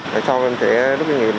về sau em sẽ rút kinh nghiệm